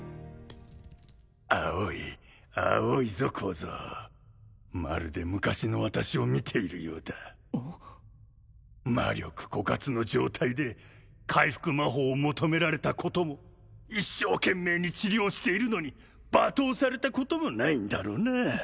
青い青いぞ小僧まるで昔の私を見ているようだ魔力枯渇の状態で回復魔法を求められたことも一生懸命に治療しているのに罵倒されたこともないんだろうな